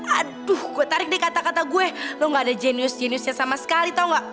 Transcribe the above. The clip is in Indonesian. aduh gue tarik deh kata kata gue lo gak ada jenius jeniusnya sama sekali tau gak